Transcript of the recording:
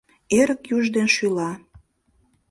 Эрык юж ден шӱла.